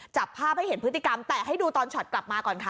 จับภาพให้เห็นพฤติกรรมแต่ให้ดูตอนช็อตกลับมาก่อนค่ะ